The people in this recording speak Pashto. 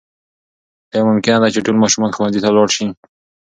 آیا دا ممکنه ده چې ټول ماشومان ښوونځي ته ولاړ سي؟